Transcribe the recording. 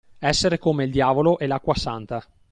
Essere come il diavolo e l'acqua santa.